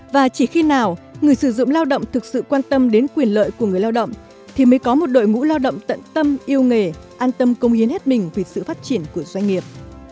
và chỉ khi nào người sử dụng lao động thực sự quan tâm đến quyền lợi của người lao động thì mới có một đội ngũ lao động tận tâm yêu nghề an tâm công hiến hết mình vì sự phát triển của doanh nghiệp